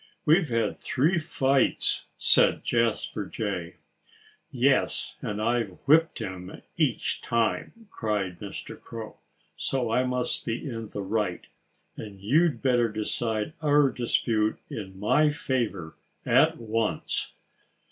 "We've had three fights," said Jasper Jay. "Yes! And I've whipped him each time!" cried Mr. Crow. "So I must be in the right. And you'd better decide our dispute in my favor at once."